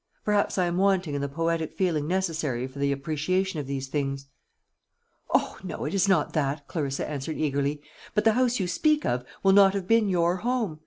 Perhaps I am wanting in the poetic feeling necessary for the appreciation of these things." "O no, it is not that," Clarissa answered eagerly; "but the house you speak of will not have been your home.